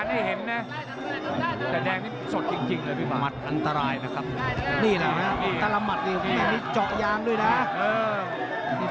น้องเงินก็ชอบอ่ะดิ